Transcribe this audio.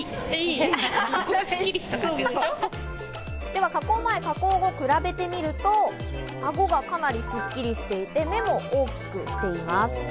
では加工前、加工後を比べてみると、アゴがかなりすっきりしていて、目も大きくしています。